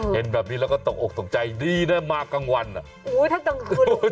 เห็นแบบนี้แล้วก็ตกอกตกใจดีนะมากลางวันอ่ะอู้วถ้าตั้งคืนคุณมา